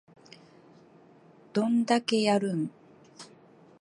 どんだけやるん